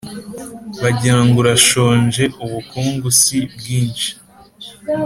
Bagira ngo urashonjeUbukungu si bwinshi.